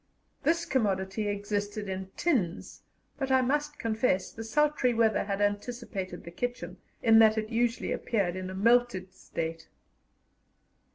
This commodity existed in tins, but I must confess the sultry weather had anticipated the kitchen, in that it usually appeared in a melted state.